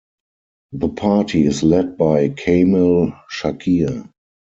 The party is led by Kamal Shakir.